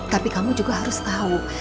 tapi kamu juga harus tahu